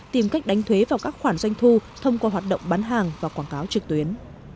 tìm cách đánh thuế vào các khoản doanh thu thông qua hoạt động bán hàng và quảng cáo trực tuyến